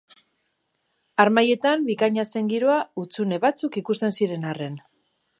Harmailetan bikaina zen giroa hutsune batzuk ikusten ziren arren.